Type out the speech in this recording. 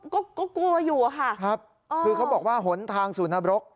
ก็ก็กลัวอยู่อะค่ะครับคือเขาบอกว่าหนทางสู่นบรก